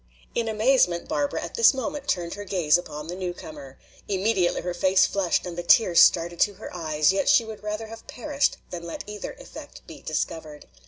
In amazement Barbara at this moment turned her gaze upon the newcomer. Immediately her face flushed and the tears started to her eyes, yet she would rather have perished than let either effect be discovered.